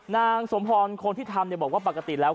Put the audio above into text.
นางสมพรคนที่ทำบอกว่าปกติแล้ว